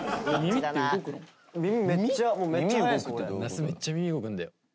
那須めっちゃ耳動くんだよ。